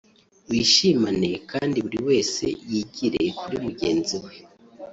bishimane kandi buri wese yigire kuri mugenzi we